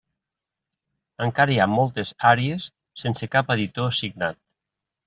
Encara hi ha moltes àrees sense cap editor assignat.